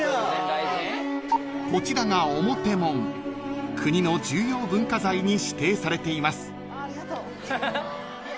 ［こちらが表門国の重要文化財に指定されています］